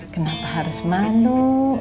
kenapa harus malu